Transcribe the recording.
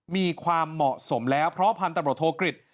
มีความเหมาะสมแล้วเพราะพันธุ์ตำรวจโทกฤษ